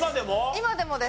今でもです。